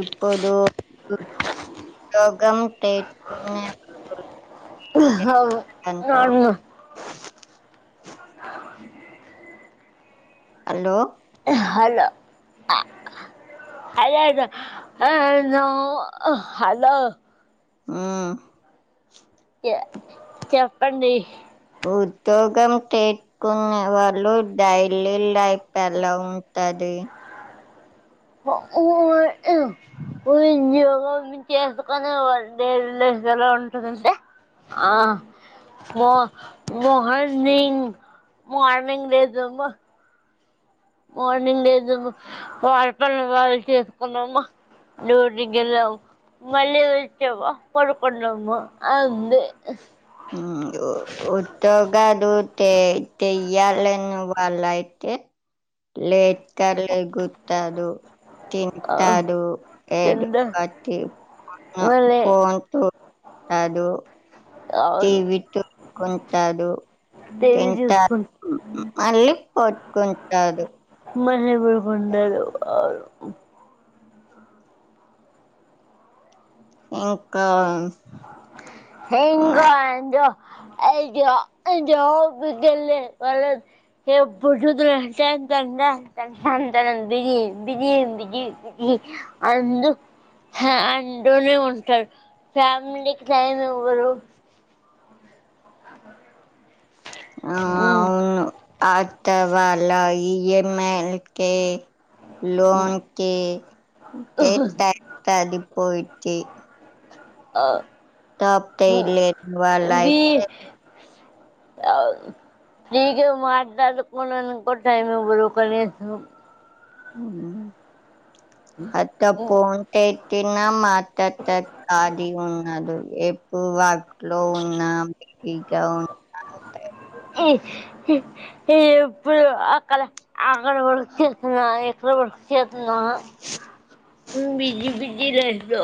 ఇప్పుడు రగం తెలుసుకునేప్పుడు హ నర్మా అల్లో హలో హ హలో హ ఆ చెప్పండి ఉద్యోగం పెట్టుకునే వాళ్ళు డైలీ లైఫ్ ఎలా ఉంటది యోగ చేసుకనే వన్డే స్ ఎలా ఉంటుందింటే ఆ మ మార్నింగ్ మార్నింగ్ డస్మ్ మార్నింగ్ లేద వర్కల వాళ చేసుకున్నామా డ్యూటీ కి వెళ్ళాము మళ్ళీ వచ్చావా పడుకున్నామా అంతే ఉద్యోగాదు చెయ్యాల ను వాళ్ళ అయితే లేట్గా లెగ్గుతారు తింటాడు ఏదో తింటే బటి ఫోన్ మళ్ళీ ఫోన్చూస్తూ ఉంటాడు అవును టీవీ తు కొంటాడు టీవీ చూసుకుని తింటాడు మళ్ళీ పడు కుంటాడు మనె బోకుండదు ఇంకా ఇంకా ఎందో అ జాబ్ కి వెళ్ల వాళ్లు ఎప్పుడు చూసిన అ అంత బిజి బిగి బిగి అందు అందులోనే ఉంటారు ఫ్యా నీ క్లెయిమ్ ఎవరు ఉమ్ అవును ఆ టవాల్ అలా ఈ ఎమ్ ఐ లకి లోన్ కి కట్టా డిపో చీ ఆ తప్పే లేద్ వలయితే అవున్ ఫ్రీగ మాట్లాడుకునేందుకు కూడా టైమ్ ఇవ్వరు కనీసం అవునా అత్త పోన్ తేతిన మాత్తత్త కాలి ఉన్నాడు ఎప్పువ ట్లో ఉన్నాం తీ క్యా వోన్ ఎ ఇ ఇప్పుడు అక్కాల అక్కడ వరకు ఎక్కడ పడు చెత్తునావ బిజీ బిజీ బిజి లైఫ్ లో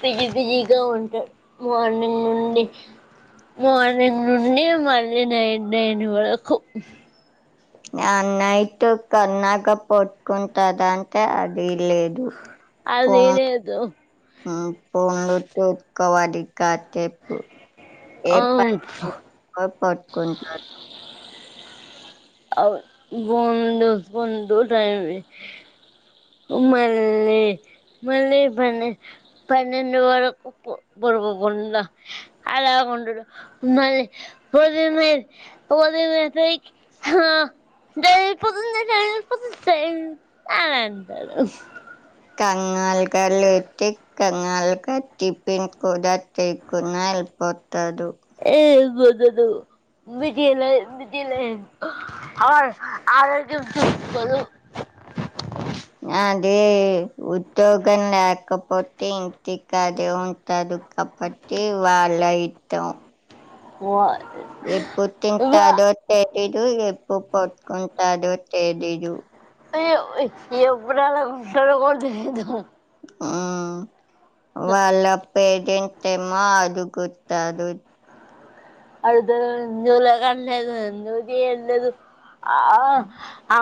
బిజి బిజిగా ఉంటా మార్నింగ్ నుండి మార్నింగ్ నుండి మళ్ళీ నైట్ నైను వరకు అ నైట్ కన్నాక పట్టుకుంటద అంటే అది లేదు అది ఫోన్ లేదు ఉమ్ ఫోన్లతో క్కవడి కా టేపు ఏ ప అవును పట్టుకుంటారు అ గుండు గుండు టై మళ్ళీ మళ్ళీ పన్నె పన్నెండు వరకు పరుకోకుండా అలాకుంటడు మళ్ళీ పొదున్నే పొదున లేసి హా డాడీ పొదున లేసిస పొదున టైమ్ అని అంటడు కంగాలు గ లేతే కంగాలుక టిఫిన్ కూద తేకున్నా వెల్లిపో ఏవో దు దు బిజీ లె బిజి లైఫ్ అ ఆరోగ్యం చూసుకోదు అదే ఉద్యోగం లేకపోతే టికా అదే ఉంటదు కాబట్టి వాళ్ళ తం ఓ ఇప్పుడు తింటా దోట్టె ఇడు ఎప్పు పట్టుకుంటాడో తేలీదు య ఎప్పుడులాకుంటారు కూడా తెలియదు ఆ వాళ్ళ పేడెంట్మ్మా అది గొత్తదు అతేూల కలే అ లేదు [unintelligible] ఆ అ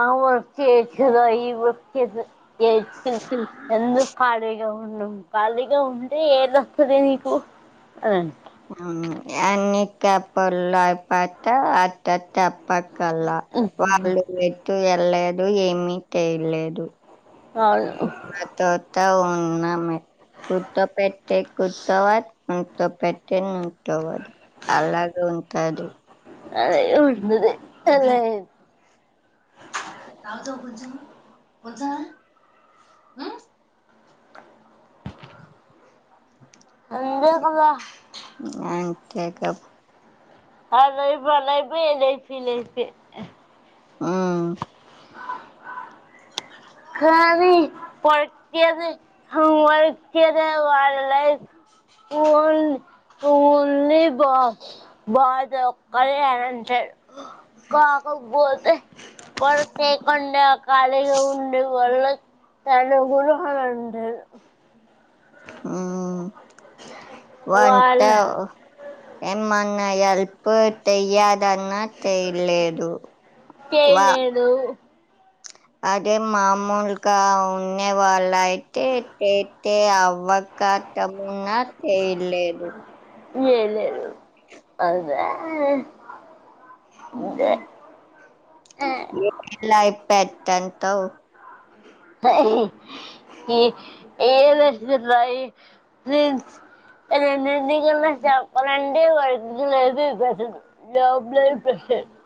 జై శివ ఈ వచ్చ ఎ ఎందు పాడ ఏ ఉన్నా ఖాళీగా ఉంటే ఏది వతదే నీకు అదండి అన్ని తప్పడు లో పత ఆ పక్కల వాళ్ళు ఎటు లేదు ఏమీ తేలేదు అవును త త అవును అనా మే కుత్త పెట్ట కుత్తవ పెట్టటిని ఉంటా అది అలాగ ఉంటుంది అదే ఊ దేధే అలా ఎంతకుందా [unintelligible] టేకప్ [unintelligible] ఊ కానీ పర్కేది వరికద వాళ్ళ ై పూల్ పూల్ని బా బాధ ఒక్కాల అని అంటాారు కాకపోతే పని చెయ్యకుండా కాలిగా ఉండే వళ్ల తను గురుహనంట [unintelligible] ఊ వంట వాళ్ళు ఎమనాయల్ పట్టయ్య దన్నా తెయలేదు వా చేయలేదు అదే మామూలుగా ఉండే వాళ్ళయి తే అతే అవ్వకత ఉన్నా తెయల్లేదు ఏం లేదు అదే ఇంకా హ్మ్. ఏలా [unintelligible] టంతావ్ [unintelligible]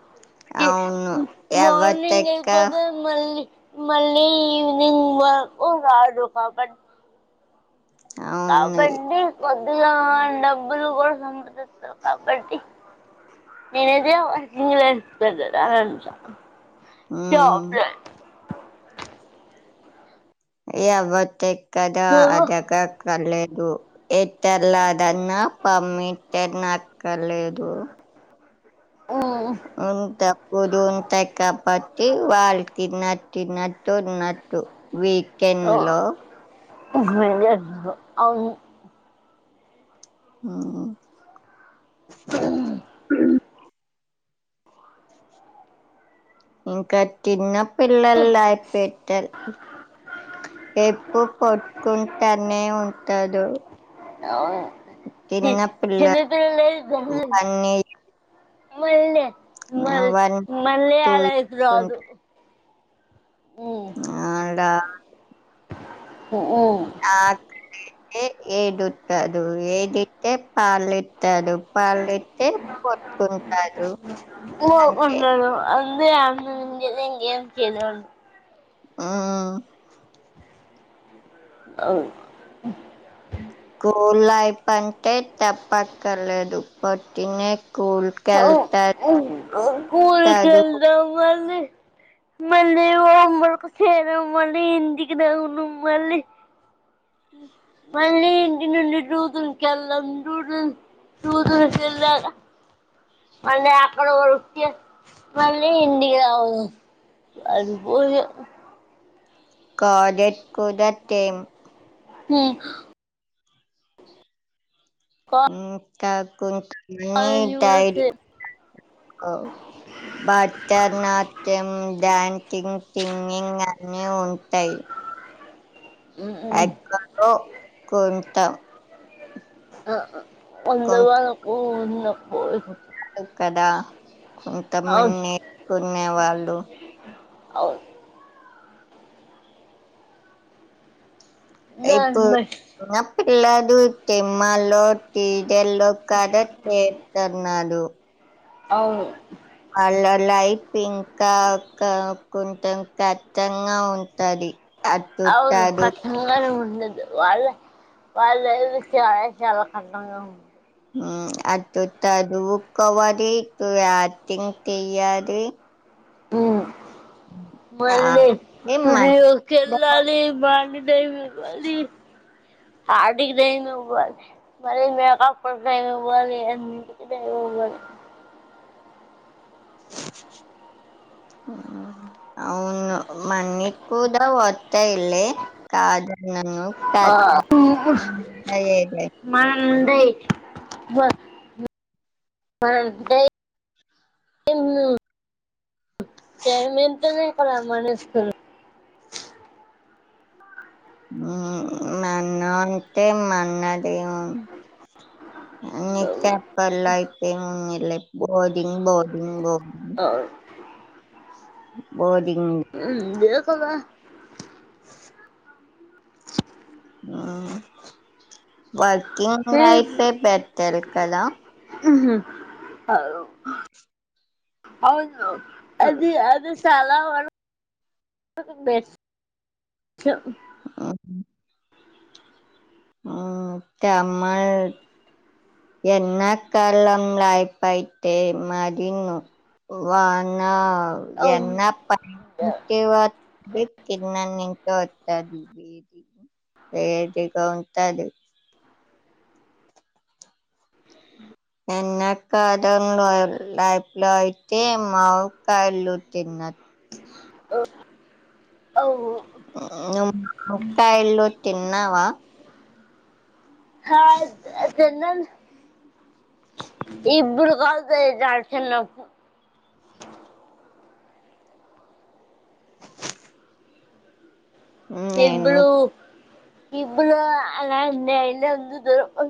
అవును. మార్నింగ్ ఎవతెక్క వెళ్ళిపోతే మళ్ళీ మళ్ళీ ఈవినింగ్ వ రాపో బట్ అవును. నాబండి ఇలా డబ్బులు కూడా సంపాదిస్తారు కాబట్టి నేనైతే వర్కింగ్ కి కద అ ఊ ఏయవతే కదా నువ్వు అదక కళ్ళే దో ఎట్టలాగలాన్నా పమిట్ట నాకర్లేదు మ్మ్ ఇంతప్పుడుంత కాపట్టి వాళ్ళకి తిన్నట్టున్నట్టు ఉండదు వీకెండ్ లో అవును హ్మ్ ఇంక తినం పిల్లల అయితే పెట్టి [unintelligible] ఎప్పుడు కొట్టుకుంటానే ఉంటరు అవు చిన్నిపిల్లలు వన్ [unintelligible] మళ్లీ మ వన్ మళ్ళీ టూ అలా ఐతే రాదు మ్మ్ ఆడా మ్మ్ ఆకలి ఎ ఏడుతాడు ఎడితే పాలు [unintelligible] పాలు ఇత్తే పడుకుంటాడు అంతే ఎందు ఏమైంది ఆ అవును కూలి అయప్ప అంటే చెప్పక్కర్లేదు పొద్దునే చదువు స్కూల్కెళ్దా మని మళ్ళీ హోం వర్క్ చేదామని ఇంటికి [unintelligible] మళ్ళీ మళ్ళీ ఇంటి నుండి ట్యూషన్కెళ్దాం ట్యూషన్ కెల్లాక మళ్ళీ అక్కడ నుంచి మళ్ళీ ఇంటికి రావడం అయిపోయ కోదట్ కూడా సమె హ్మ్ కో కాకుంట్ సేమ్. [unintelligible] బట్టర్నాట్యం దంచింగ్ సింగింగ్ నే ఉంటాయి హ్మ్, అ హ్మ్. కొంతో కొంతాం అందు కొం వరకు ఉన్నప్పుడు అ కదా అవును కొంతమంది కొనే వాళ్ళు అవున్ నాన్నబెట్టి ఇలా చూస్తే మల్లోట్ టీ జెల్లో కాద చేతన్నాడు అవును వాళ్ళ లైట్ పింకా కా కొంచెం కష్టంగా ఉంటది అటు అవురు చదువు కట్టంగానే ఉం వాళ్ళ వాళ్ళ చాల చాల కట్టంగా ఆ అటు చదువుకోవాలి ఇటు యాక్టింగ్ చెయాలి ఉమ్ మళ్ళీ అదే మనీ స్టూడియో కి కూడా- వెళ్ళాలి మార్నింగ్ ఉదయానికే పోవాలి పాటికి దేనికో పోవాలి మళ్లీ మేకప్ ట్రైనర్ గా పోవాలి అందుకు దేనికో ఒక దానికి అవును మనీ కూడా వస్తాయి లే కాదనను కాదు మరి ఏదైనా మ మందే ను టైం ఎంతనే ఇక్కడ మన స్కూల్లో హు మన్న అంటే మన్నదేవం హు నీకు చెప్పాలా అయితెం ఇప్పు లైఫ్ బోరింగ్ బోరింగ్ బో అవ్ న్ బోరి ఉమ్ వేస్ తెల్దా ఆ బస్ కి ను వైట్ పేపర్ తెలియదు కదా హ్మ్ హమీఅవు అవును అది అది చాలా వరకు బెస్ట్ ఆ హా ఆ తామర్ ఎన్నా కాలంలా అయిపైతే మరిను వానా అవును ఎన్నా [unintelligible] దిక్ కి న నింత వతాదిేది వే దిడిగా ఉంటది ఎండాకాలంలో లైఫ లోయితేే మావ కయళు తిన్న ఓ అవు నువ్వు కాయలు తిన్నావా తిన్నాను ఇప్పుడు కలుతాయి చార్చన్నకు నేను ఇబ్బులు [unintelligible]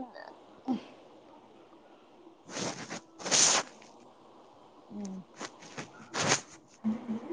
హ్మ్ హ్మ్